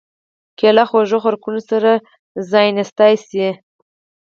کېله له خوږو خوراکونو سره ځایناستېدای شي.